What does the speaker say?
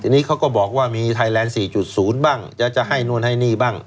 ที่นี่เขาก็บอกว่ามีไทย๔๐บ้างจะให้โน้นให้หนี้บ้าง